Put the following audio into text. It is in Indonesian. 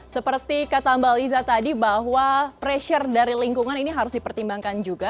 seperti kata mbak liza tadi bahwa pressure dari lingkungan ini harus dipertimbangkan juga